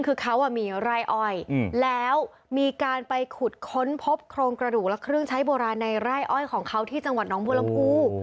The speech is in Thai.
คือเขามีไร่อ้อยแล้วมีการไปขุดค้นพบโครงกระดูกและเครื่องใช้โบราณในไร่อ้อยของเขาที่จังหวัดน้องบัวลำพู